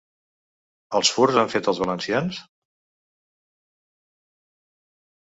Els furs han fet els valencians?